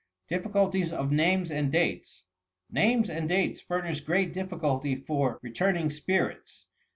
DIFFICULTIES OF NAMES AND DATES Names and dates furnish great difficulty for return ing spirits.